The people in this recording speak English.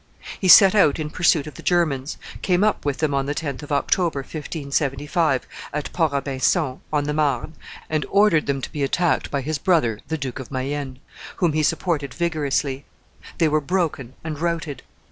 He set out in pursuit of the Germans, came up with them on the 10th of October, 1575, at Port a Binson, on the Marne, and ordered them to be attacked by his brother the Duke of Mayenne, whom he supported vigorously. They were broken and routed.